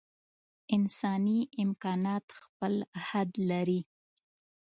انساني امکانات خپل حد لري.